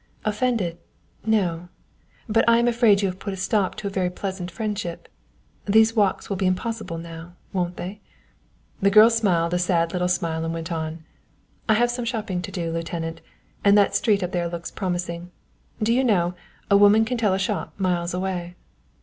"Offended no, but I am afraid you have put a stop to a very pleasant friendship. These walks will be impossible now, won't they?" The girl smiled a sad little smile and went on: "I have some shopping to do, lieutenant, and that street up there looks promising. Do you know, a woman can tell a shop miles away."